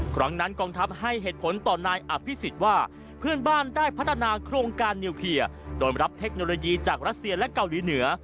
ครั้งนั้นกองทัพให้เหตุผลต่อนายอภิษฎว่าเพื่อนบ้านได้พัฒนาโครงการนิวเคลียร์โดยรับเทคโนโลยีจากรัสเซียและเกาหลีเหนือ